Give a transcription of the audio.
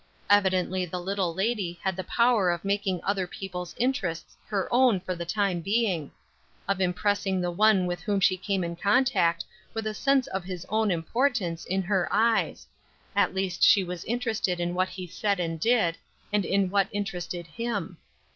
Evidently the little lady had the power of making other people's interests her own for the time being; of impressing the one with whom she came in contact, with a sense of his own importance, in her eyes; at least she was interested in what he said and did, and in what interested him.